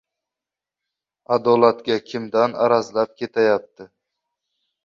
Adolatga! Kimdan arazlab ketayapti?